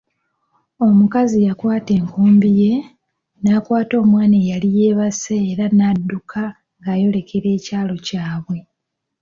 Omukazi yabaka enkumbi ye, n'akwata omwana eyali yeebase era n'adduka ng'ayolekera ekyalo kyabwe.